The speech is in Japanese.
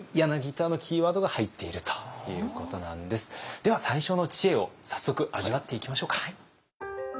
では最初の知恵を早速味わっていきましょうか。